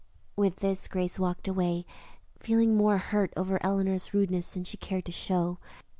With this, Grace walked away, feeling more hurt over Eleanor's rudeness than she cared to show.